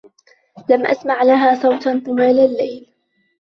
لم أسمع لها صوتا طوال اللّيل.